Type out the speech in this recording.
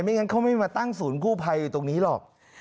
ไม่อย่างนั้นเขาไม่มาตั้งศูนย์คู่ภัยอยู่ตรงนี้หรอก